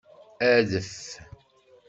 Adef!